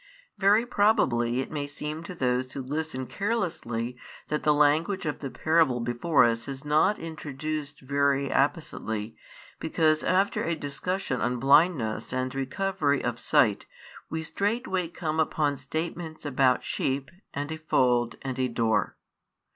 Very probably it may seem to those who listen carelessly that the language of the parable before us is not introduced very appositely: because after a discussion on blindness and recovery of sight, we straightway come upon statements about sheep, and a fold, and a door.